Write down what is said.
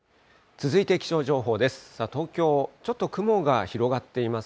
続いて気象情報です。